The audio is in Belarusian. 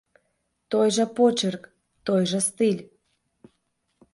Той жа почырк, той жа стыль.